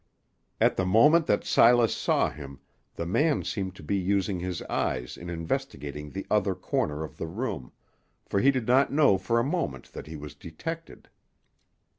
At the moment that Silas saw him, the man seemed to be using his eyes in investigating the other corner of the room, for he did not know for a moment that he was detected.